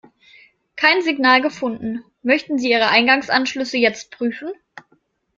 Kein Signal gefunden. Möchten Sie ihre Eingangsanschlüsse jetzt prüfen?